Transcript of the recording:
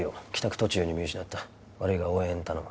途中に見失った悪いが応援頼む